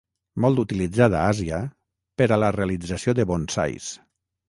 Molt utilitzat a Àsia per a la realització de bonsais.